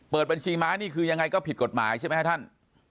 บัญชีม้านี่คือยังไงก็ผิดกฎหมายใช่ไหมครับท่าน